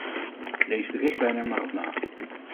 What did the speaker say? Lees de richtlijn er maar op na!